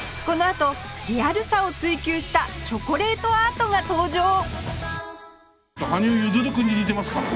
このあとリアルさを追求したチョコレートアートが登場！